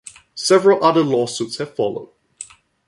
Several other lawsuits have followed.